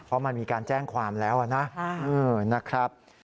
เพราะมันมีการแจ้งความแล้วนะครับ